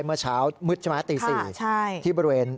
เมื่อเช้ามืดใช่ไหมตี๔ที่บริเวณ